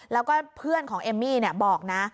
แล้วก็เพื่อนของเอมมี่บอกนะ